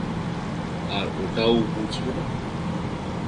আর ওটাও বুঝবে না।